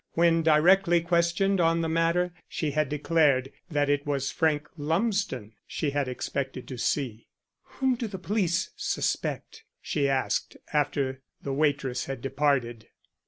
When directly questioned on the matter she had declared that it was Frank Lumsden she had expected to see. "Whom do the police suspect?" she asked, after the waitress had departed.